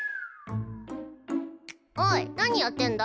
おい何やってんだ？